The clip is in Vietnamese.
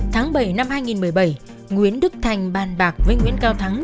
tháng bảy năm hai nghìn một mươi bảy nguyễn đức thành bàn bạc với nguyễn cao thắng